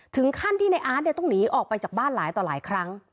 ถึงขั้นที่ในอาร์ตต้องหนีออกไปจากบ้านหลายต่อหลายครั้ง